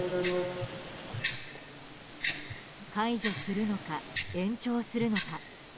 解除するのか延長するのか。